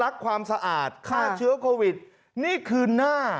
ท่านก็รักความสะอาดครับค่ะค่ะเชียวโควิดนี่คือหน้า